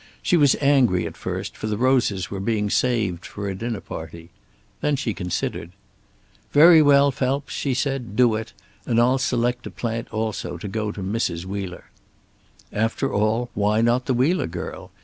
She was angry at first, for the roses were being saved for a dinner party. Then she considered. "Very well, Phelps," she said. "Do it. And I'll select a plant also, to go to Mrs. Wheeler." After all, why not the Wheeler girl?